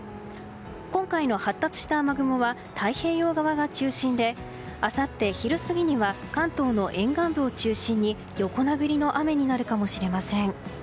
今回の発達した雨雲は太平洋側が中心であさって昼過ぎには関東の沿岸部を中心に横殴りの雨になるかもしれません。